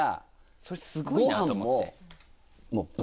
それすごいなと思って。